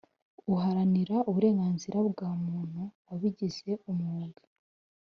uharanira uburenganzira bwa muntu wabigize umwuga